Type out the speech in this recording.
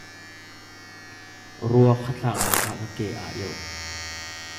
Ruakha tlaknak ah a ke aa ilh.